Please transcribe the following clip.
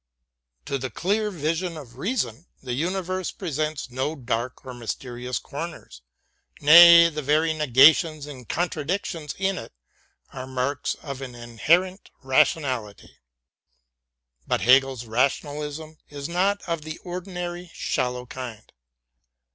To the clear vision of reason the universe presents no dark or mysterious corners, nay, the very negations and contradictions in it are marks of its inherent rational ity. But Hegel's rationalism is not of the ordinary shallow kind.